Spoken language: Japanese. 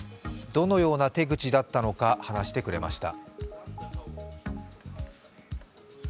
どのような手口だったのか話してくれました。